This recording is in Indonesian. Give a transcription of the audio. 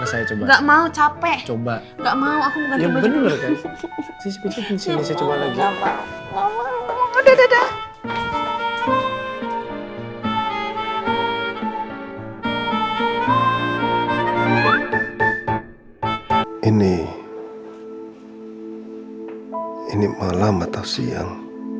saya coba mau capek coba nggak mau aku bener bener ini ini mau lama atau siang